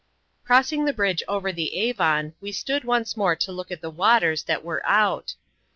Crossing the bridge over the Avon, we stood once more to look at the waters that were "out."